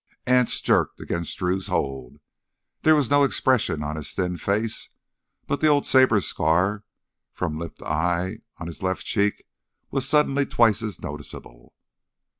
Anse jerked against Drew's hold. There was no expression on his thin face, but the old saber scar from lip to eye on his left cheek was suddenly twice as noticeable.